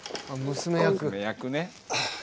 娘役ね。